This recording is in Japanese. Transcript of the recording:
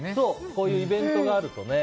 こういうイベントがあるとね。